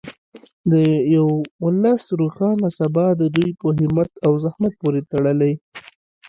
د یو ولس روښانه سبا د دوی په همت او زحمت پورې تړلې.